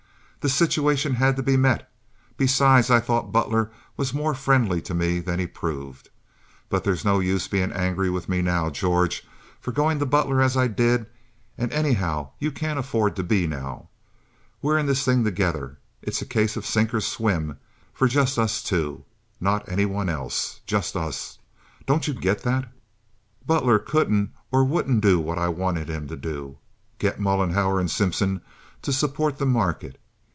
The situation had to be met. Besides, I thought Butler was more friendly to me than he proved. But there's no use being angry with me now, George, for going to Butler as I did, and anyhow you can't afford to be now. We're in this thing together. It's a case of sink or swim for just us two—not any one else—just us—don't you get that? Butler couldn't or wouldn't do what I wanted him to do—get Mollenhauer and Simpson to support the market.